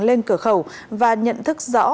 lên cửa khẩu và nhận thức rõ